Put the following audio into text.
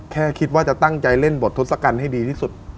แค่คิดว่าจะตั้งใจเล่นบททศกัณฐ์ให้ดีที่สุด